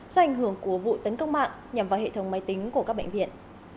do ảnh hưởng của vụ tấn công mạng nhằm vào hệ thống máy tính của các bệnh viện